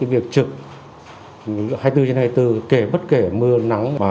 việc trực hai mươi bốn trên hai mươi bốn kể bất kể mưa nắng